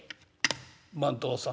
「番頭さん